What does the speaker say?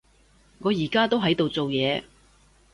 我而家都喺度做嘢